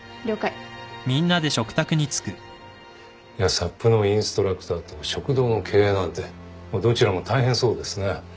サップのインストラクターと食堂の経営なんてどちらも大変そうですね。